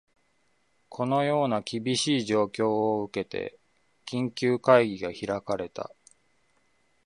このような厳しい状況を受けて、緊急会議が開かれた